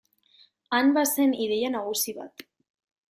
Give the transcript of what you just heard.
Han bazen ideia nagusi bat.